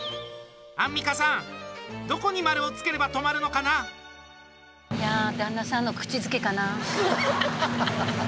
アンミカさんどこに丸をつければ旦那さんの口づけかな。